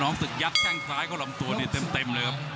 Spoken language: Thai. ศึกยัดแข้งซ้ายเข้าลำตัวนี่เต็มเลยครับ